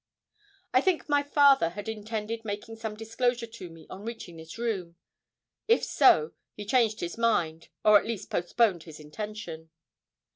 I think my father had intended making some disclosure to me on reaching this room. If so, he changed his mind, or at least postponed his intention.